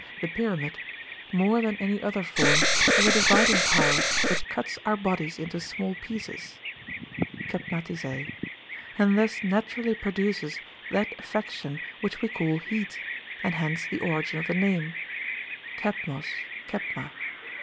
the pyramid), more than any other form, has a dividing power which cuts our bodies into small pieces (Kepmatizei), and thus naturally produces that affection which we call heat; and hence the origin of the name (thepmos, Kepma).